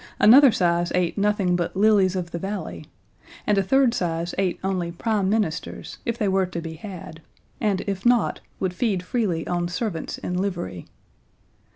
Another size ate nothing but lilies of the valley, and a third size ate only Prime Ministers if they were to be had, and, if not, would feed freely on servants in livery.